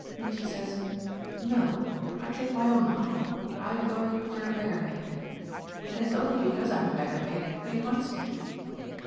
Mitchy says 'No; I take my own line; I go in for a beggar maid.' And it's only because I'm a beggar maid that he wants me."